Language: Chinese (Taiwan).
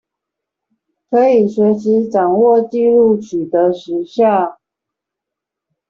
可以隨時掌握紀錄取得時效